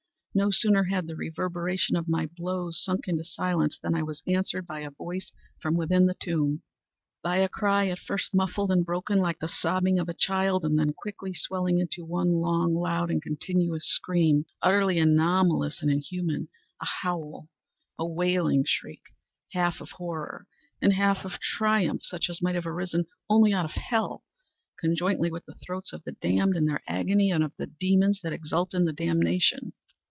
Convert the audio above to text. No sooner had the reverberation of my blows sunk into silence, than I was answered by a voice from within the tomb!—by a cry, at first muffled and broken, like the sobbing of a child, and then quickly swelling into one long, loud, and continuous scream, utterly anomalous and inhuman—a howl—a wailing shriek, half of horror and half of triumph, such as might have arisen only out of hell, conjointly from the throats of the damned in their agony and of the demons that exult in the damnation.